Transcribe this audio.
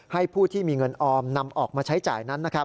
ผู้ที่มีเงินออมนำออกมาใช้จ่ายนั้น